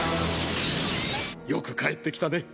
よく帰って来たね。